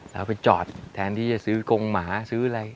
เอาไปจอดแทนที่จะซื้อกงหมาซื้ออะไร